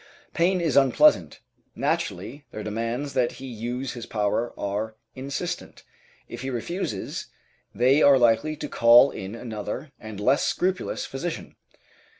Pain is unpleasant; naturally their demands that he use his power are insistent. If he refuses, they are likely to call in another and less scrupulous physician.